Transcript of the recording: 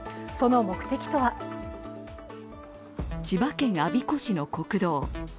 その目的とは千葉県我孫子市の国道。